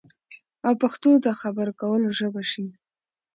او پښتو د خبرو کولو ژبه شي